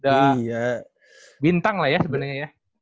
udah bintang lah ya sebenernya ya